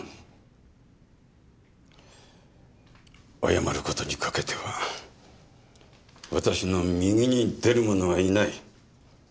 謝る事にかけては私の右に出る者はいない。